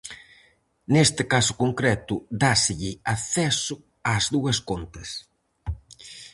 Neste caso concreto, dáselle acceso ás súas contas.